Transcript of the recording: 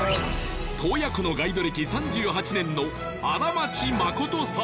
洞爺湖のガイド歴３８年の荒町誠さん